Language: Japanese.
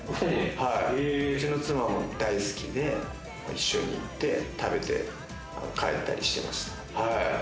うちの妻も大好きで、一緒に行って食べて帰ったりしてました。